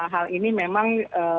hal ini memang